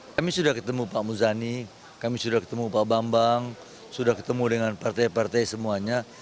kami sudah ketemu pak muzani kami sudah ketemu pak bambang sudah ketemu dengan partai partai semuanya